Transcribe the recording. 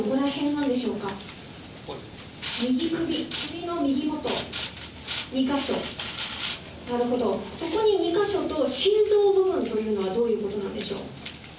なるほど、そこに２か所と、心臓部分というのはどういうことなんでしょう。